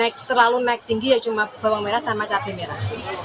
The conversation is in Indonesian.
naik terlalu naik tinggi ya cuma bawang merah sama cabai merah